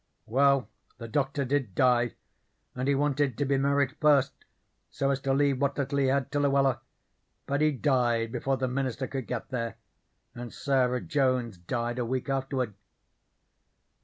"Well, the Doctor did die, and he wanted to be married first, so as to leave what little he had to Luella, but he died before the minister could get there, and Sarah Jones died a week afterward.